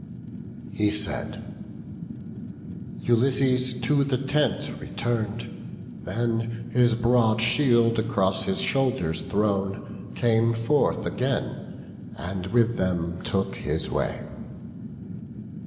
He said; Ulysses to the tent return'd; Then, his broad shield across his shoulders thrown, Came forth again, and with them took his way.